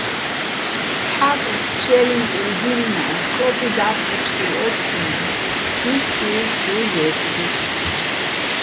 ჰ̦ა́კეხ ფშე́ლიჼ ტილო̆ დილლნა́ს, ქო́კი და́ფხეჩო̆ ხილო̆ ო́თთჲინა́ს, ხი ჩუ́-ჩუ́ ლე́ტდოშ.